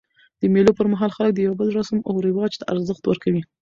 د مېلو پر مهال خلک د یو بل رسم و رواج ته ارزښت ورکوي.